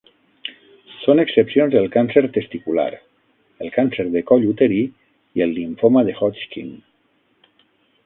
Són excepcions el càncer testicular, el càncer de coll uterí i el limfoma de Hodgkin.